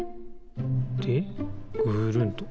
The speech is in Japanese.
でぐるんと。